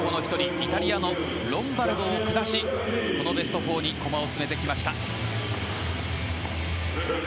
イタリアのロンバルドを下しベスト４に駒を進めてきました。